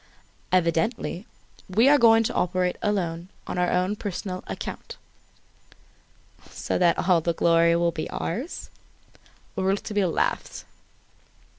"Evidently. We are going to operate alone, on our own personal account." "So that all the glory will be ours?" Rouletabille laughed.